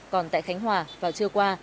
còn tại khánh hòa vào trưa qua